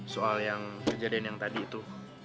soal yang kejadian yang tadi itu